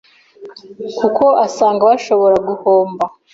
kuko asanga bashobora guhomba.